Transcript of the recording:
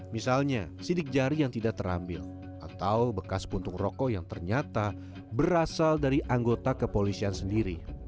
misalnya sidik jari yang tidak terambil atau bekas puntung rokok yang ternyata berasal dari anggota kepolisian sendiri